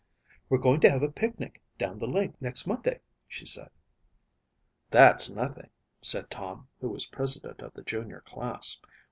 "We're going to have a picnic down the lake next Monday," she said. "That's nothing," said Tom, who was president of the junior class.